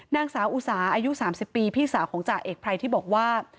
นางสาวอุสาอายุ๓๐ปีพี่สาวของจ่าเอกไพรที่บอกว่า